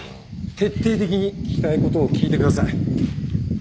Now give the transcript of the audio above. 徹底的に聞きたいことを聞いてください。